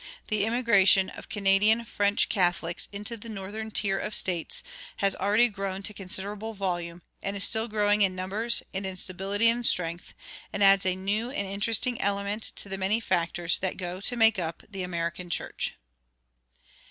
The immigration of Canadian French Catholics into the northern tier of States has already grown to considerable volume, and is still growing in numbers and in stability and strength, and adds a new and interesting element to the many factors that go to make up the American church.